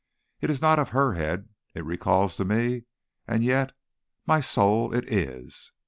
It is not her head it recalls to me, and yet my soul, it is!